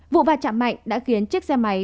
vụ vạch chạm mạnh đã khiến chiếc xe máy